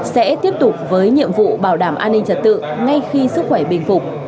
sẽ tiếp tục với nhiệm vụ bảo đảm an ninh trật tự ngay khi sức khỏe bình phục